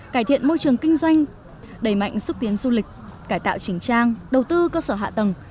cải thiện môi trường kinh doanh đẩy mạnh xúc tiến du lịch cải tạo chỉnh trang đầu tư cơ sở hạ tầng